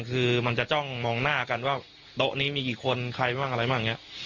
คือมันจะจ้องมองหน้ากันว่าโต๊ะนี้มีกี่คนใครบ้างอะไรบ้างอย่างนี้